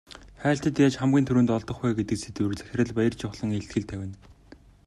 Хайлтад яаж хамгийн түрүүнд олдох вэ гэдэг сэдвээр захирал Баяржавхлан илтгэл тавина.